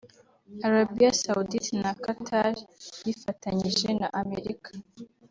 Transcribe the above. Arabia Saoudite na Qatar bifatanyije na Amerika